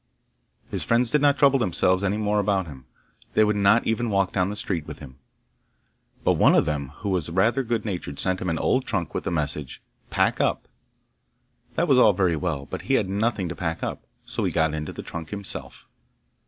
His friends did not trouble themselves any more about him; they would not even walk down the street with him. But one of them who was rather good natured sent him an old trunk with the message, 'Pack up!" That was all very well, but he had nothing to pack up, so he got into the trunk himself.